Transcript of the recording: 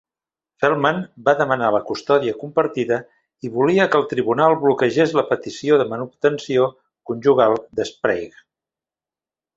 Feldman va demanar la custodia compartida i volia que el tribunal bloquegés la petició de manutenció conjugal de Sprague.